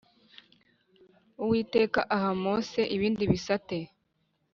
uwiteka aha mose ibindi bisate